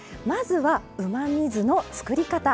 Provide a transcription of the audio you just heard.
まずはうまみ酢の作り方